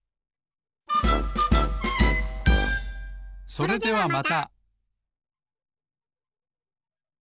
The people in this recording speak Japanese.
それではまた！